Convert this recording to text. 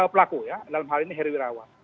pelaku ya dalam hal ini heri wirawan